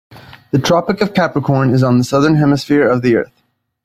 The Tropic of Capricorn is on the Southern Hemisphere of the earth.